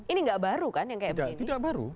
ini tidak baru kan yang seperti ini tidak tidak baru